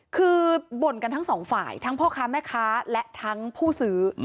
คือบ่นกันทั้งสองฝ่ายทั้งพ่อค้าแม่ค้าและทั้งผู้ซื้อ